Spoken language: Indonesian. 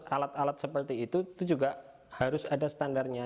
alat alat seperti itu itu juga harus ada standarnya